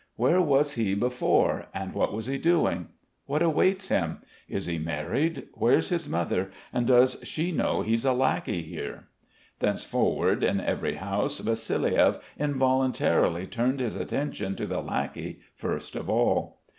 Where was he before, and what was he doing? What awaits him? Is he married, where's his mother, and does she know he's a lackey here?" Thenceforward in every house Vassiliev involuntarily turned his attention to the lackey first of all.